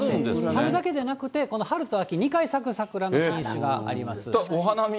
春だけじゃなくて、この春と秋、２回咲く桜の品種があります。